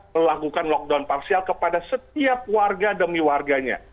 melakukan lockdown parsial kepada setiap warga demi warganya